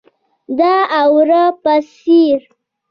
د اور بڅری